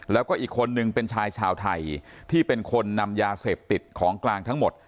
แล้วก็อีกคนนึงเป็นชายชาวไทยที่เป็นคนนำยาเสพติดของกลางทั้งหมด